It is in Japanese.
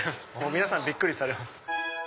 皆さんびっくりされます。